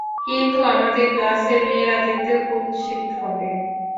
কিন্তু, আমাদের ক্লাসের মেয়েরা দেখতে কুৎসিত হবে।